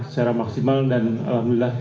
secara maksimal dan alhamdulillah